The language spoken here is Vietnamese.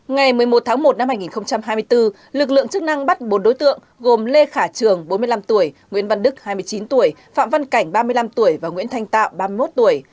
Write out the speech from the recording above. ngày một mươi một tháng một năm hai nghìn hai mươi bốn lực lượng chức năng bắt bốn đối tượng gồm lê khả trường bốn mươi năm tuổi nguyễn văn đức hai mươi chín tuổi phạm văn cảnh ba mươi năm tuổi và nguyễn thanh tạo ba mươi một tuổi